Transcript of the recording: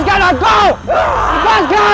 setiap bulan purnama